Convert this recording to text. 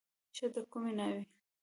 ښه د کومې ناوې.